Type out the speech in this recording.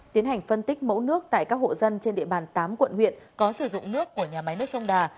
tiến hành phân tích mẫu nước tại các hộ dân trên địa bàn tám quận huyện có sử dụng nước của nhà máy nước sông đà